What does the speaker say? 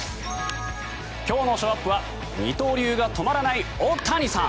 今日のショーアップは二刀流が止まらないオオタニサン。